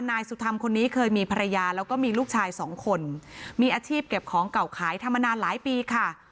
นายสุธรรมคนนี้เคยมีภรรยาแล้วก็มีลูกชายสองคนมีอาชีพเก็บของเก่าขายทำมานานหลายปีค่ะ